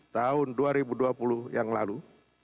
tahun dua ribu dua puluh yang lalu